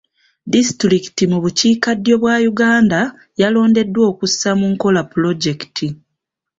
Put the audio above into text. Disitulikiti mu bukiika ddyo bwa Uganda yalondeddwa okussa mu nkola pulojekiti